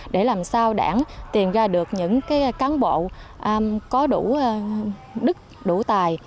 để làm sao đảng tìm ra được những cán bộ có đủ đức đủ tài